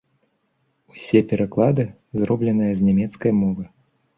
Усе пераклады зробленыя з нямецкай мовы.